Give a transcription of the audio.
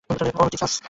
ওহ, Jesus!